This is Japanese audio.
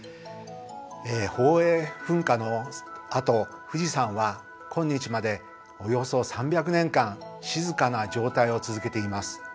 宝永噴火のあと富士山は今日までおよそ３００年間静かな状態を続けています。